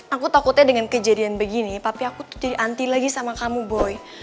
aku takutnya dengan kejadian begini papi aku tuh jadi anti lagi sama kamu boy